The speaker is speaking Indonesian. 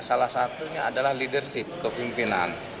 salah satunya adalah leadership kepimpinan